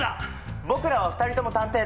僕らは２人とも探偵で。